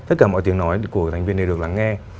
tất cả mọi tiếng nói của thành viên đều được lắng nghe